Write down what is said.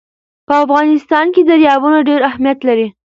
په افغانستان کې دریابونه ډېر اهمیت لري.